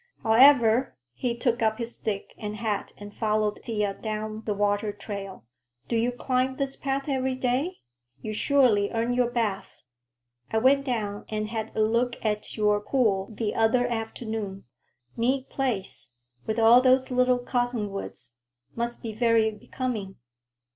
However—" He took up his stick and hat and followed Thea down the water trail. "Do you climb this path every day? You surely earn your bath. I went down and had a look at your pool the other afternoon. Neat place, with all those little cottonwoods. Must be very becoming."